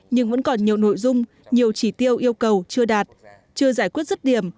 nhưng vẫn còn nhiều nội dung nhiều chỉ tiêu yêu cầu chưa đạt chưa giải quyết rứt điểm